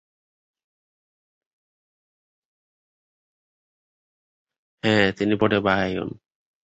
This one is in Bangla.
তিনি পরে বাহাই হন।